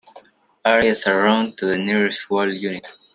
Areas are rounded to the nearest whole unit.